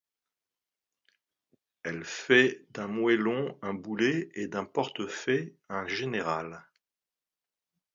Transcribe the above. Elle fait d'un moellon un boulet et d'un portefaix un général.